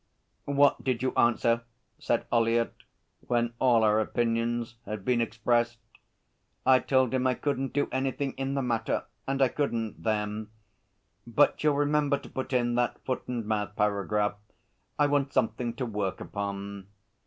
'What did you answer?' said Ollyett, when all our opinions had been expressed. 'I told him I couldn't do anything in the matter. And I couldn't then. But you'll remember to put in that foot and mouth paragraph. I want something to work upon.'